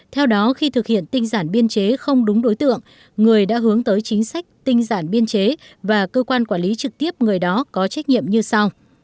theo đó khi thực hiện tinh giản biên chế không đúng đối tượng người đã hướng tới chính sách tinh giản biên chế và cơ quan quản lý trực tiếp người đó có trách nhiệm như sau